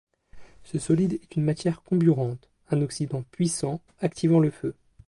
Ce solide est une matière comburante, un oxydant puissant, activant le feu.